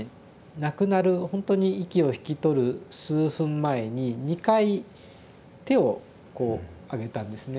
亡くなるほんとに息を引き取る数分前に２回手をこうあげたんですね。